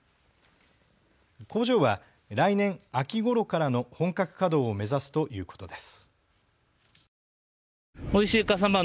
工場は来年秋ごろからの本格稼働を目指すということです。